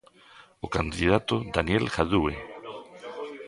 O candidato Daniel Jadúe.